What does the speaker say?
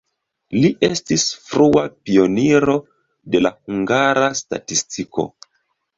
Li estis frua pioniro de la hungara statistiko.